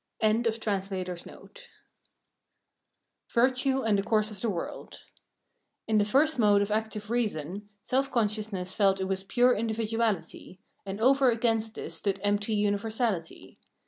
"] 368 Virtue and the Course oe the World In the first mode of active reason, self consciousness felt it was pure individuality ; and over agaiast this stood empty universality.